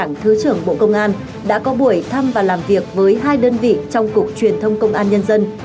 đảng thứ trưởng bộ công an đã có buổi thăm và làm việc với hai đơn vị trong cục truyền thông công an nhân dân